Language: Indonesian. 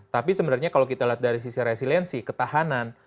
tapi sebenarnya kalau kita lihat dari sisi resiliensi ketahanan